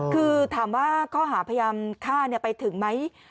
คือถามว่าข้อหาพยายามฆ่าไปถึงไหม